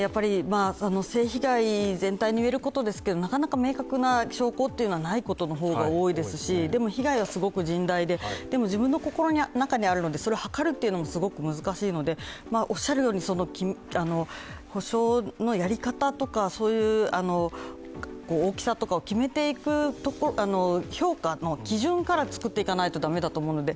性被害全体に言えることですけどなかなか明確な証拠がないことの方が多いですし被害はすごく甚大で、でも自分の心にあるものそれをはかることも、すごく難しいのでおっしゃるように、補償のやり方とか大きさとかを決めていく、評価の基準から作っていかないといけないと思うので